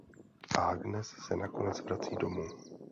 Agnes se nakonec vrací domů.